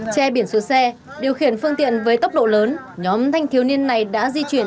che biển số xe điều khiển phương tiện với tốc độ lớn nhóm thanh thiếu niên này đã di chuyển